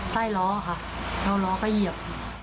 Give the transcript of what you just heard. เท่าร้องกระเหยียบ